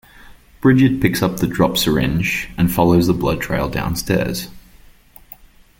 Brigitte picks up the dropped syringe and follows the blood trail downstairs.